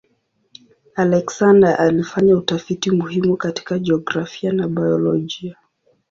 Alexander alifanya utafiti muhimu katika jiografia na biolojia.